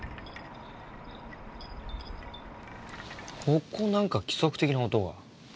ここなんか規則的な音が。